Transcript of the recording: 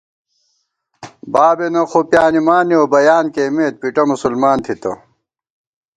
بابېنہ خوپیانِمانېؤ بیان کېئیمېت پِٹہ مسلمان تھتہ